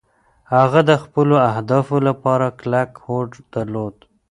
هغه د خپلو اهدافو لپاره کلک هوډ درلود.